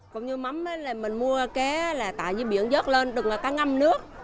cũng như mắm mình mua cái là tại vì biển dớt lên đừng là ta ngâm nước